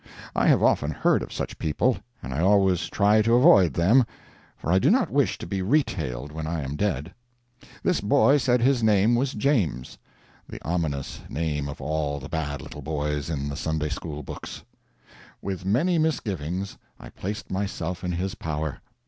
I have often heard of such people, and I always try to avoid them, for I do not wish to be retailed when I am dead. This boy said his name was James—the ominous name of all the bad little boys in the Sunday School books. With many misgivings I placed myself in his power.